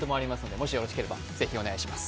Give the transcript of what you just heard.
もしよろしければぜひお願いします。